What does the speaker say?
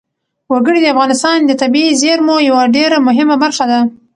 وګړي د افغانستان د طبیعي زیرمو یوه ډېره مهمه برخه ده.